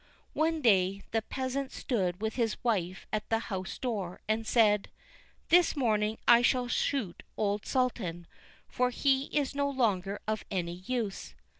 One day the peasant stood with his wife at the house door and said: "This morning I shall shoot old Sultan, for he is no longer of any use."